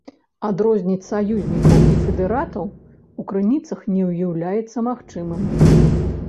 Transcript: Адрозніць саюзнікаў і федэратаў у крыніцах не ўяўляецца магчымым.